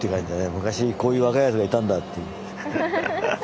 昔こういう若いやつがいたんだっていう。